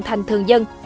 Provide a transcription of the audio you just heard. thành thường dân